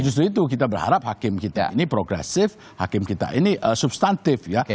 justru itu kita berharap hakim kita ini progresif hakim kita ini substantif ya